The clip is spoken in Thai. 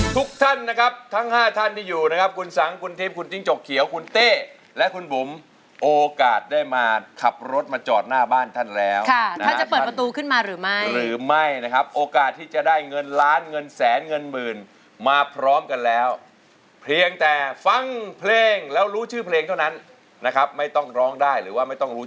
ทุกท่านนะครับทั้งห้าท่านที่อยู่นะครับคุณสังคุณทิพย์คุณจิ้งจกเขียวคุณเต้และคุณบุ๋มโอกาสได้มาขับรถมาจอดหน้าบ้านท่านแล้วท่านจะเปิดประตูขึ้นมาหรือไม่หรือไม่นะครับโอกาสที่จะได้เงินล้านเงินแสนเงินหมื่นมาพร้อมกันแล้วเพียงแต่ฟังเพลงแล้วรู้ชื่อเพลงเท่านั้นนะครับไม่ต้องร้องได้หรือว่าไม่ต้องรู้